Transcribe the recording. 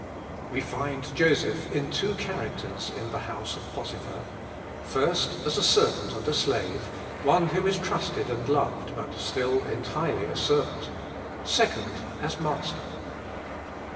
We find Joseph in two characters in the house of Potiphar: first as a servant and a slave, one who is trusted and loved, but still entirely a servant; second, as master.